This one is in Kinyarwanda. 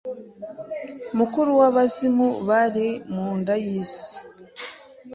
Mukuru w' abazimu bari mu nda y' isi